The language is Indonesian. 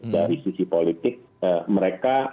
dari sisi politik mereka